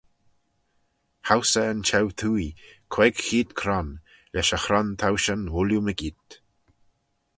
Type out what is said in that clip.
Howse eh yn cheu-twoaie, queig cheead cron, lesh y chron-towshan ooilley mygeayrt.